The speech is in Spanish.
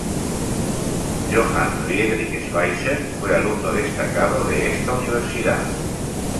Johann Friedrich Schweitzer fue alumno destacado de esta universidad.